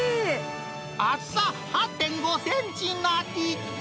厚さ８．５センチなり。